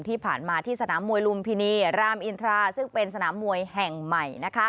ที่ผ่านมาที่สนามมวยลุมพินีรามอินทราซึ่งเป็นสนามมวยแห่งใหม่